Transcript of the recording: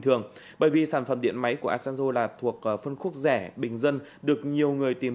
thường bởi vì sản phẩm điện máy của asanzo là thuộc phân khúc rẻ bình dân được nhiều người tìm